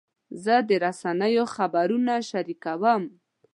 زه د رسنیو خبرونه شریکوم.